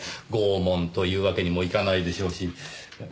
拷問というわけにもいかないでしょうし。